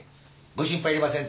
ご心配いりませんって。